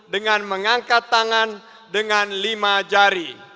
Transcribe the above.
dengan mengangkat tangan dengan lima jari